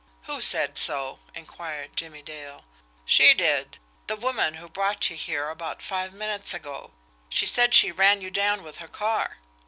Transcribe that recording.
"Who said so?" inquired Jimmie Dale. "She did. The woman who brought you here about five minutes ago. She said she ran you down with her car."